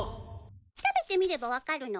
食べてみれば分かるの。